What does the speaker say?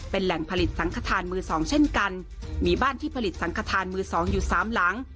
เป็นแหล่งผลิตสังขทานมือสองเช่นกันมีบ้านที่ผลิตสังขทานมือสองอยู่สามหลัง